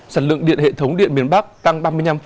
sản lượng điện hệ thống điện miền bắc tăng ba mươi năm